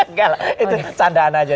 enggak lah itu candaan aja